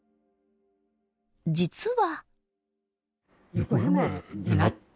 実は。